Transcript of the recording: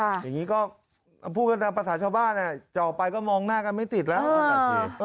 อย่างนี้ก็พูดกันตามภาษาชาวบ้านจะออกไปก็มองหน้ากันไม่ติดแล้วนั่นแหละสิ